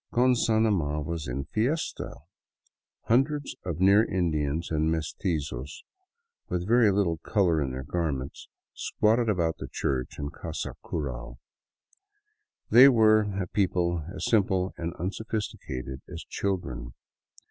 Gonzanama was in fiesta. Hundreds of near Indians and mestizos, with very little color in their garments, squatted about the church and casa cural. They were a people as simple and unsophisticated as children.